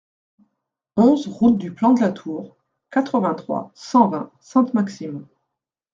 onze route du Plan de la Tour, quatre-vingt-trois, cent vingt, Sainte-Maxime